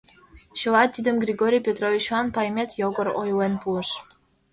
Чыла тидым Григорий Петровичлан Паймет Йогор ойлен пуыш.